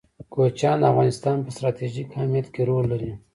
کوچیان د افغانستان په ستراتیژیک اهمیت کې رول لري.